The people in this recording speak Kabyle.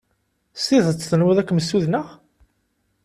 S tidet tenwiḍ ad kem-ssudneɣ?